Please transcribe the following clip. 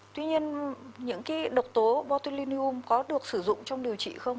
tuy nhiên những cái độc tố botulinium có được sử dụng trong điều trị không